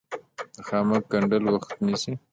د خامک ګنډل وخت نیسي